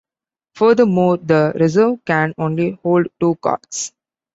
Furthermore, the reserve can only hold two cards.